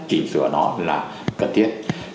chỉnh sửa nó là cần thiết